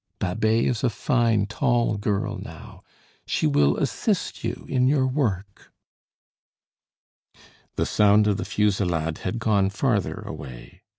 "Babet is a fine, tall girl now. She will, assist you in your work " The sound of the fusillade had gone farther away.